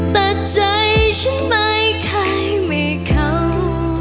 แต่ใจฉันไม่เคยไม่เข้า